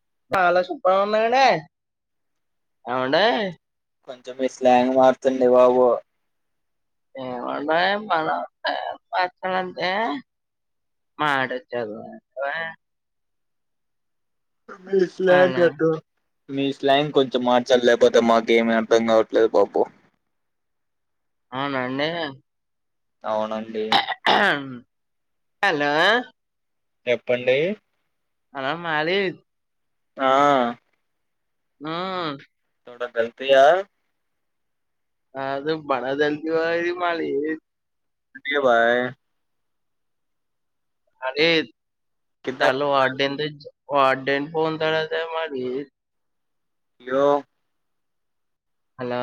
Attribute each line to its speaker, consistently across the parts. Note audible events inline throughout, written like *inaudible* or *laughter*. Speaker 1: *unintelligible*
Speaker 2: కొంచెం మీ స్లాంగ్ మార్చండి బాబు
Speaker 1: ఏవండీ ప వచ్చడంటే మాడి చదు
Speaker 2: ఈ స్లాంగ్
Speaker 1: అలా
Speaker 2: వద్దు మీ స్లాంగ్ కొంచెం మార్చాలి లేకపోతే మాకు ఏమి అర్థం కావట్లేదు బాబు
Speaker 1: అవునా అండి
Speaker 2: అవునండి
Speaker 1: హలో
Speaker 2: చెప్పండి
Speaker 1: అలా మాది
Speaker 2: ఆ
Speaker 1: ఆ
Speaker 2: కొంచెం గట్టిగా
Speaker 1: అది బడాదల్ దివాది మాది
Speaker 2: అంటే బాయ్
Speaker 1: అది
Speaker 2: కింద
Speaker 1: చలో అ దంటించ్ వాడెం పో తరత మరి
Speaker 2: యో
Speaker 1: హలో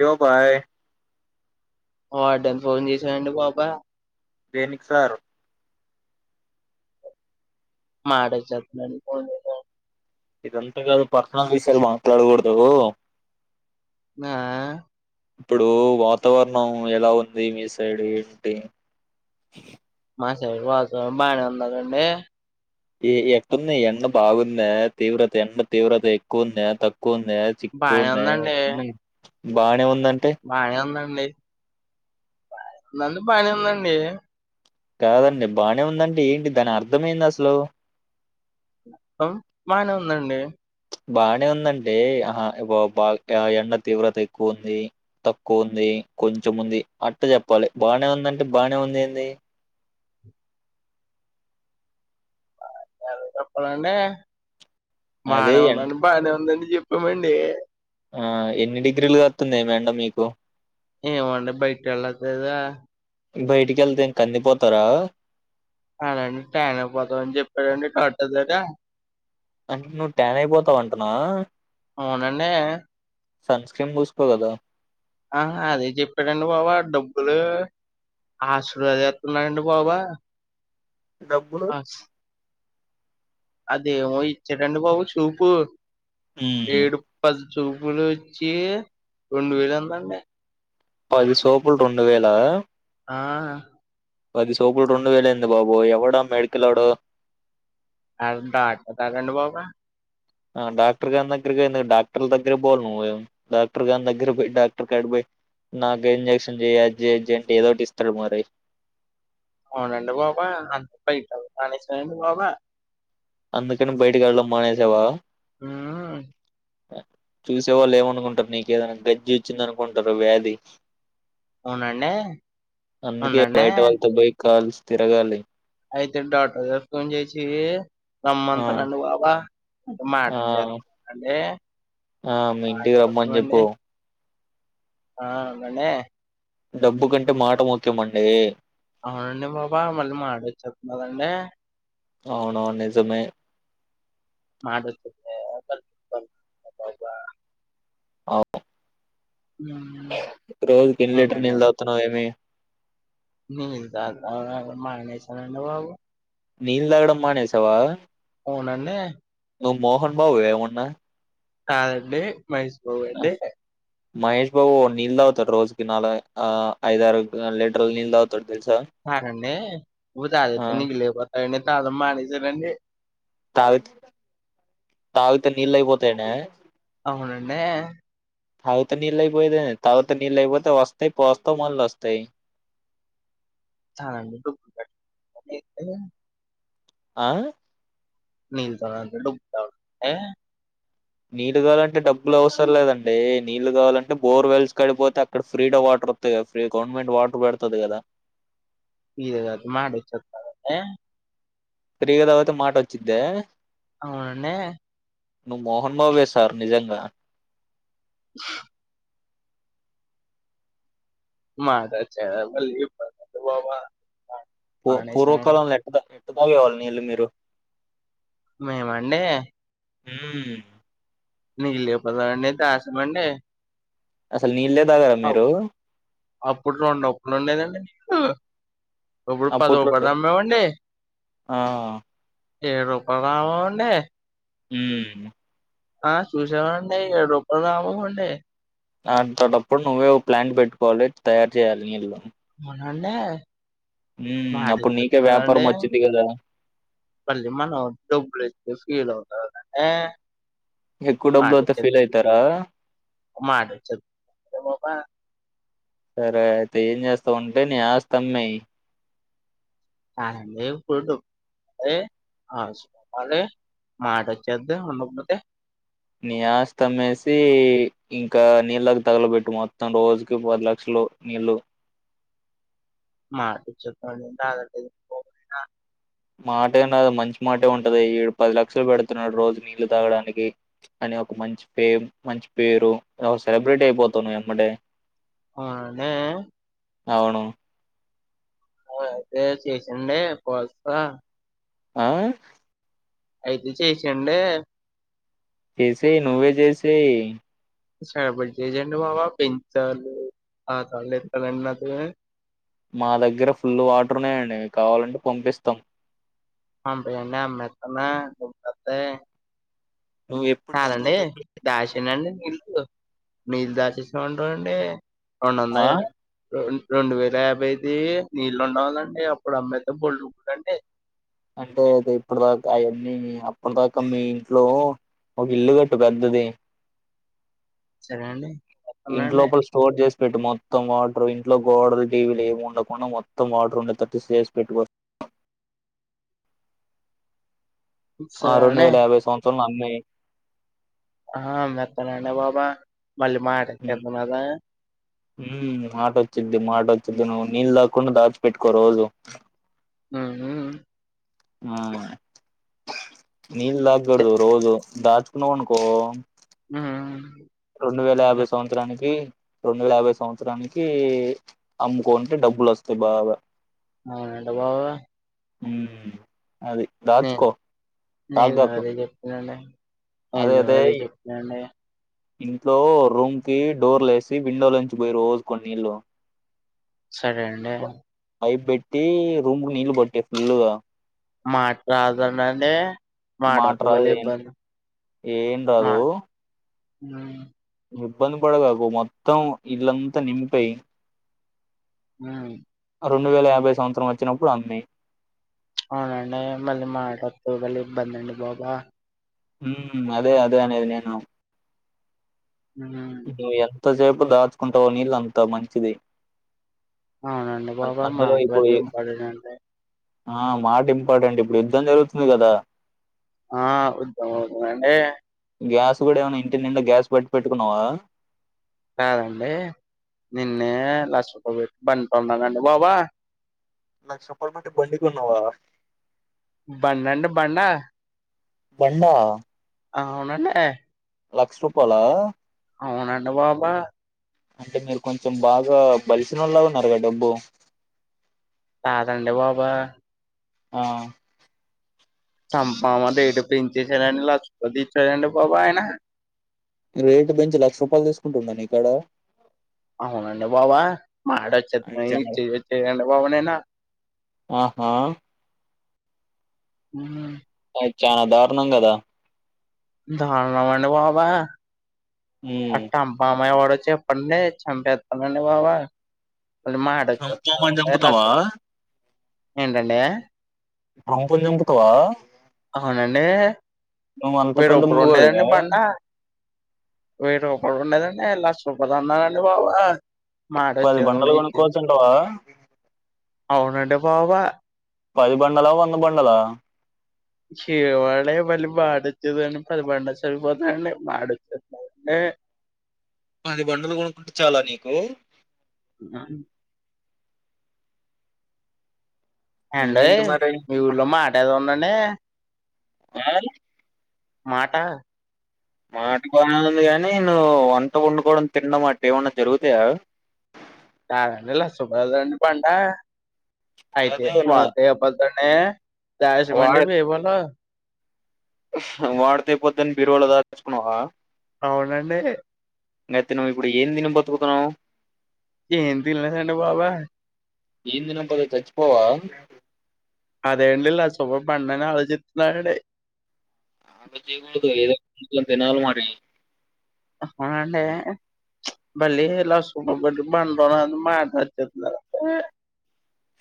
Speaker 2: యో బాయ్
Speaker 1: వార్డన్ ఫోన్ చేసాండి పాపా
Speaker 2: దేనికి సారు
Speaker 1: మాడొచ్చతాంది పోనిలే
Speaker 2: ఇదంతా కాదు పర్సనల్ విషయాలు మాట్లాడకూడదు
Speaker 1: నా
Speaker 2: ఇప్పుడు వాతావరణం ఎలా ఉంది మీ సైడ్ ఏంటి
Speaker 1: మా సైడ్ వాస బానే ఉన్నదండి
Speaker 2: ఎట్టుంది ఎండ బాగుంది తీవ్రత ఎండ తీవ్రత ఎక్కువుంద తక్కువ చకున్
Speaker 1: బాగానే
Speaker 2: చికుందా
Speaker 1: ఉందండి
Speaker 2: ఎట్ల బానే వున్
Speaker 1: బానే ఉందా న పని ఉందండి
Speaker 2: కాదండి బానే ఉందంటడి ఏంటి దాని అర్థమెంది అసలు
Speaker 1: అ బానే ఉందండి
Speaker 2: బానే ఉందంటే ఆహా ఇ బా ఎండ తీవ్రత ఎక్కువ ఉంది తక్కువ ఉంది కొంచెం ఉంది అట్ట చెప్పాలి బానే ఉందంటే బానే ఉంది ఏంది
Speaker 1: వెళ్దాం పదండి
Speaker 2: అదే
Speaker 1: బానే
Speaker 2: ఎం
Speaker 1: ఉందని బానే ఉందని చెప్పమండి
Speaker 2: ఆ ఎన్ని డిగ్రీలు కాత్తుంది ఎండ మీకు
Speaker 1: ఏమోండి బయటకి వెళ్ళట్లేదా
Speaker 2: బయటికి వెళ్తే కందిపోతారా
Speaker 1: అలాండి టైన్పోదామని చెప్పారండి టట్టర్ దగగ
Speaker 2: అంటే నువ్వు ట్యాన్ అయిపోతావంటున్నావ
Speaker 1: అవునండి
Speaker 2: సన్స్క్రీన్ పూసుకోవల కదా
Speaker 1: ఆ అదే చెప్పాడండి బాబా డబ్బులు ఆశలుదిస్తున్నారండి బాబా
Speaker 2: డబ్బులు
Speaker 1: అస్ అదేమో ఇచ్చాడండి బాబు సోపు
Speaker 2: హ్మ్.
Speaker 1: ఏడు ప చుపులు వచ్చి రెండు వేలు ఉందండి
Speaker 2: అది సోపుల్ రెండు వేలా
Speaker 1: ఆ
Speaker 2: పది సోపులు రెండు వేలుంది బాబు ఎవడా మెడికల్ అడు
Speaker 1: అంటాట డాక్టర్ కాదు బాబు
Speaker 2: ఆ డాక్టర్ గని దగ్గరగా డాక్టర్ దగ్గర పో నువ్ డాక్టర్ గని దగ్గర డాక్టర్ కాడి పోయి నాక ఇంజెక్షన్ చేయ్యెంట్ ఏదోటి ఇస్తాడు మరి
Speaker 1: అవునండి బాబు అంతప్ప కాడి బబా
Speaker 2: అందుకని బయటకి వెళ్ళడం మానేసావా
Speaker 1: ఉ
Speaker 2: చూసేవాళ్ళు ఏమనుకుంటారు నీకేదైనా గజ్జి వచ్చింది అనుకుంటారు వ్యాధి
Speaker 1: అవునండి.
Speaker 2: అందుకే
Speaker 1: అవునండి.
Speaker 2: బయట వాళ్ళతో బై కాల్స్ తిరగాలి
Speaker 1: అయితే డాక్టర్ గారికి ఫోన్ చేసి
Speaker 2: ఆ
Speaker 1: రమ్మంటా రండి బాబా అంటే మాట
Speaker 2: ఆ
Speaker 1: చే అండి
Speaker 2: ఆ మీ ఇంటికి రమ్మని
Speaker 1: మాటద్దమండి
Speaker 2: చెప్పు
Speaker 1: ఆ మనే
Speaker 2: డబ్బు కంటే మాట ముఖ్యమండి
Speaker 1: అవునండి బాబా మళ్ళీ మాట వచ్చేతదండి
Speaker 2: అవును నిజమే
Speaker 1: *unintelligible*
Speaker 2: అవు
Speaker 1: హ్మ్.
Speaker 2: రోజు కిన్ని లీటర్
Speaker 1: ఏంటండి?
Speaker 2: నీళ్ళు తాగుతున్నావ్ ఏమి
Speaker 1: నీళ్ళు తాగడం మానేశానండి బాబు
Speaker 2: నీల్ తాగడం మానేసావా
Speaker 1: ఉనండి
Speaker 2: ను మోహన్ బాబువా ఎమన్నా
Speaker 1: కాదండి మహేష్ బాబండి
Speaker 2: మహేష్ బాబు నీల్ దావుతడు రోజికి నాలుగై ఐదారు లీటర్ నీళ్తాగుతాడు
Speaker 1: కాదండి
Speaker 2: ఆ
Speaker 1: తాదతే నికలే అన్నీ తాగడం మానేశానండి
Speaker 2: తావి తావితే నీళ్ళు అయిపోతాయనా
Speaker 1: అవునండే
Speaker 2: అయితే నీళ్ళుయిపోయినాయి తాగుతే నీళ్ళు అయిపోతే వస్తాయి పోస్తం మళ్ళొస్తాయ్
Speaker 1: చాలు
Speaker 2: ఆ
Speaker 1: నీళ్తోనా డబ్ తా ఆ
Speaker 2: నీళ్ళు కావాలంటే డబ్బులు అవసరం లేదండి నీళ్ళు కావాలంటే బోర్వెల్స్ కాడిపోతే అక్కడ ఫ్రీ వాటర్ వస్తుంది కదా ఫ్రీ గవర్నమెంట్ వాటర్ పెడతది గదా
Speaker 1: ఈరోజు *unintelligible*
Speaker 2: ఫ్రీగా తాగితే మాట వచ్చద్దా
Speaker 1: అవునండే
Speaker 2: నువ్వు మోహన్బావే సార్ నిజంగా
Speaker 1: మాట అచ్చ మల్ ఒబా
Speaker 2: పు పూర్వకాలంలో ఎక్కడ తాగేవాళ్ళు నీళ్లు మీరు
Speaker 1: మేమండీ
Speaker 2: మూ
Speaker 1: నీళ్ళు లేపోదఅండి దశమండి
Speaker 2: అసలు నీళ్ళే తాగరా
Speaker 1: ఔ
Speaker 2: మీరు
Speaker 1: అప్పుడురొండు అప్పుడు ఉండేదండి ఆ ఇప్పుడు పదవ
Speaker 2: అప్పట్లో
Speaker 1: పదమ్మవండి
Speaker 2: ఆ
Speaker 1: ఏ రూపంలోరవోవండే
Speaker 2: హు
Speaker 1: ఆ చూసామండి ఏడు రూపాయలు రావండి
Speaker 2: అంతటప్పుడు నువ్వే ప్లాంట్ పెట్టుకోవాలి తయారు చేయాలి నీళ్ళు
Speaker 1: అవునా అండి
Speaker 2: హ్మ్
Speaker 1: మాట
Speaker 2: అప్పుడు నీకే వ్యాపారం
Speaker 1: ఇచెతున్నానండి
Speaker 2: వచ్చిద్ది కదా!
Speaker 1: మళ్ళీ మనం డబ్బులు తే ఫీల్ అవ్ ఆ
Speaker 2: ఎక్కువ
Speaker 1: మాట
Speaker 2: డబ్బులవుతే
Speaker 1: చెబ్
Speaker 2: ఫీల్ అయితారా?
Speaker 1: మాట చె మామ
Speaker 2: సరే అయితే ఏం చేస్తామంటే నీ ఆస్తమ్మేయ్
Speaker 1: *unintelligible* ఆ మాటచ్చద్ద ఉన్నట్ట
Speaker 2: నీ ఆస్తి అమ్మేసి. ఇంకా నీళ్ళకు తగలబెట్టు మొత్తం రోజుకి పది లక్షలు నీళ్ళు.
Speaker 1: మాటిచ్చేత్తాడంట *unintelligible*
Speaker 2: మాటేగాదు మంచి మాటే ఉంటది. ఈడు పది లక్షలు పెడుతున్నాడు రోజు నీళ్లు తాగడానికి. అనే ఒక మంచ్ పేమ్, మంచి పేరు ఒక సెలబ్రేటీ అయిపోతానువేంమ్మటే.
Speaker 1: అవునండి
Speaker 2: అవును
Speaker 1: అయితే చేసండి పోల్సా
Speaker 2: ఆ
Speaker 1: అయితే చేసెన్డి
Speaker 2: చేసేయి నువ్వే చేసయి
Speaker 1: సరే ఇప్పుడు చేసండి బాబు పెంచాలు ఆ తల నొప్పులన్ని ఎస్తాలండి నాది
Speaker 2: మా దగ్గర ఫుల్ వాటర్ ఉన్నాయండి కావాలంటే పంపిస్తాం
Speaker 1: *unintelligible*
Speaker 2: నువ్వు ఎప్పుడు డబ్బులు
Speaker 1: కాదండి
Speaker 2: కట్టు
Speaker 1: దాచానండి నీళ్ళు నీళ్ళ దాచేసమంటాారంండే
Speaker 2: ఆ
Speaker 1: అవునన్నాయా రోన్ రెండు వేల యాభైది నీళ్లుుండవులేండి. అప్పుడు అమ్మేతే బొళ్ళడబ్బులాండి.
Speaker 2: అంటే అది ఇప్పడ్దాకా అయ్యన్నీ అప్పన్ దాకా మీ ఇంట్లో ఒక ఇల్లు గట్టు పెద్దది.
Speaker 1: సరే అండి వస్తున్నా
Speaker 2: ఇంట్
Speaker 1: అండి
Speaker 2: లోపల్ స్టోర్ చేస్ పెట్టు. మొత్తం వాట్రూ ఇంట్లో గోడల్, టీవీలు ఏమి ఉండకుండా మొత్తం వాటర్ ఉండే తట్టి సేస్ పెట్టుకో. ఆ
Speaker 1: సరే
Speaker 2: రెండు
Speaker 1: అండి
Speaker 2: వేల యాభై సంవత్సరంలో ఆమ్ మెయ్
Speaker 1: ఆ ఆమ్మేత్తనండి. బాబా మళ్ళీ మాటొచ్చదుమళ్ళ
Speaker 2: ఉహ్మ్ మాటోచ్చిద్ది, మాటోచ్చిద్ది నువ్ నీల్దాకుండా దాచి పెట్టుకో రోజు.
Speaker 1: ఉహ్ ఉహ్. ఉహ్
Speaker 2: ఆ నీళ్ళ
Speaker 1: చె-
Speaker 2: దాగూడదు రోజు దాచుకున్నావ్ అనుకో
Speaker 1: ఉహ్
Speaker 2: రెండు వేల యాభై సంవత్సరానికి, రెండు వేల యాభై సంవత్సరానికి. అమ్ముకుంటే డబ్బులు వస్తాయి బాగా
Speaker 1: ఆ ఎంట బాగా
Speaker 2: ఉహ్మ్
Speaker 1: నేన్ నేను
Speaker 2: తాగ్గాకు
Speaker 1: అదే చెప్పన్నండి నేను అదే చెప్పన్నండి
Speaker 2: ఇంట్లో రూమ్ కి డోర్లుేసి విండోలోంచి పోయిరుోజు కొన్ నీళ్ళు.
Speaker 1: సరే అండే
Speaker 2: టి రూమ్గ్ నీళ్ళు బట్టే ఫుల్లుగా.
Speaker 1: మాట్లాదనండి.
Speaker 2: మాట రాదు ఏం ఏం రాదు.
Speaker 1: ఉహ్
Speaker 2: ఇబ్బంది పడగాకు మొత్తం. ఇల్లంతా నింపేయ్.
Speaker 1: ఆహ్
Speaker 2: రెండు వేల యాభై సంవత్సరం వచ్చినప్పుడు అన్న
Speaker 1: అవునండి మళ్ళీ మాట్ొద్దు మళ్ళీ ఇబ్బందండి బాబా
Speaker 2: అదే అదన అదిను
Speaker 1: హ
Speaker 2: తసేపు దాచుకుంటావో నీళ్ళు అంత మంచిది.
Speaker 1: అవునండి
Speaker 2: అన్
Speaker 1: బాబో
Speaker 2: అందులో
Speaker 1: మాట
Speaker 2: ఇప్పుడు ఈ
Speaker 1: అదెం పడనండే
Speaker 2: ఆ మాట ఇంపార్టెంట్ ఇప్పుడు యుద్ధం జరుగుతుంది గదా.
Speaker 1: ఆ ఉదమవుతుందండి
Speaker 2: గ్యాస్ కూడా ఏమన్నా. ఇంటి నిండా గ్యాస్ బట్ పెట్టుకున్నావా.
Speaker 1: కాదండే. నిన్నే లక్ష రూపాల్ పెట్ బండ్ కొన్ననండి. బాబా
Speaker 2: లక్ష రూపాలు పెట్టి బండి కొన్నావా.
Speaker 1: బడంటే బండా
Speaker 2: బండా
Speaker 1: అవునండే
Speaker 2: లక్ష్ రూపాలా
Speaker 1: అవునండి బాబా
Speaker 2: అంటే మీరు కొంచెం బాగా బలిసినళ్ళ ఉన్నారుగా డబ్బు
Speaker 1: తదండడి బాబా
Speaker 2: ఆ
Speaker 1: చంప మా దట పెంచిసడంండి లక్షపతి ఇచ్చడండి బాబా ఆయన
Speaker 2: రేటు పెంచి లక్ష రూపాయలు తీసుకుంటున్నాను ఇక్కడ
Speaker 1: అవు అంన్న బబ మడ చె
Speaker 2: అది చానా
Speaker 1: చే అ బబనే నా
Speaker 2: ఆహా
Speaker 1: హ
Speaker 2: చనా దారుణ కదా
Speaker 1: ధారణమంట బాబా అట్ట బ మ వాడ చ్చ ప భ ప వా వా
Speaker 2: చమాంకుతావా
Speaker 1: ఏంటండి
Speaker 2: రంపుం కుతువా
Speaker 1: అవునండి
Speaker 2: అంత పెద్ద
Speaker 1: వేరప్పుడు
Speaker 2: మోగోడివే
Speaker 1: ఉండేదండి బండా వేర ఒకప్పుడు ఉండేదండి ఎలా సప్పధాన్నండి భావ
Speaker 2: పది బండలు కొనుక్కోవచ్చుంటావా
Speaker 1: అవునండి బాబా
Speaker 2: పది బండలా వంద బండలా
Speaker 1: శివాళ వళ వాడతది పది పండ చాల పోత వాడుత
Speaker 2: పది బండలు కొనుకుంటే చాలా నీకు
Speaker 1: ఆ
Speaker 2: ఏంటి
Speaker 1: అయ్
Speaker 2: మరి
Speaker 1: మీ ఊర్లో మాట ఏదో ఉన్నాండి అే
Speaker 2: ఆ
Speaker 1: మాట
Speaker 2: మాట బనేఉంది కాని నువ్వు వంట వండుకోవడం తిినడం అటు ఏమన్నా జరుగుతాయా
Speaker 1: *unintelligible* అయితే
Speaker 2: కాదు నువ్వు
Speaker 1: వాతేప్పతనే దాష్
Speaker 2: వాడ
Speaker 1: మండవి ఏవ
Speaker 2: వాడితే పోద్దని బిరువలో దా తెచ్చుకున్నావా
Speaker 1: అవునండి
Speaker 2: ఇయితే నువ్ ఇప్పుడు ఏం దినం బతుకుతున్నావు
Speaker 1: ఏ హిందలు సంట బాబా
Speaker 2: ఏందిన పోద తచ్చిపోవా
Speaker 1: అదేడిలా సవభ బన ఆలోచిత్రన్నడ
Speaker 2: ఆ ఏద తనాల మా
Speaker 1: అంటే బళీ స బండన అ మాట వచ్చంద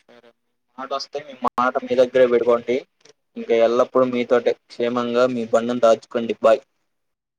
Speaker 2: రే మీ మాట వస్తే మీ మాట మీ దగ్గరే పెడుకోండి ఇంకా ఎల్లప్పుడూ మీతో క్షేమంగా మీ బండిను దాచుకోండి బాయ్